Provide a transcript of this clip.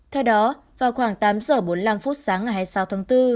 theo đó vào khoảng tám h bốn mươi năm sáng ngày hai mươi sáu tháng bốn